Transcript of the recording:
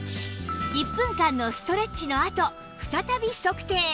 １分間のストレッチのあと再び測定